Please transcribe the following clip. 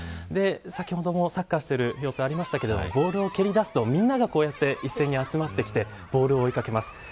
先ほども、サッカーをしている様子がありましたがボールを蹴り出すとみんながこうやって一斉に集まってきてボールを追いかけます。